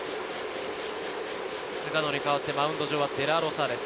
菅野に代わってマウンド上はデラロサです。